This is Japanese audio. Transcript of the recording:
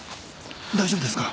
大丈夫ですか？